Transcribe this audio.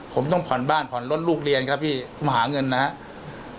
ผมต้องผ่อนบ้านผ่อนรถลูกเรียนครับพี่มาหาเงินนะครับ